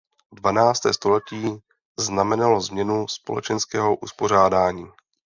Dvanácté století znamenalo změnu společenského uspořádání.